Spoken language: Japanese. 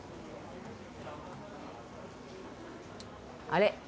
あれ？